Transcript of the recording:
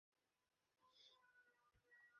তারা বিবর্তিত হয়।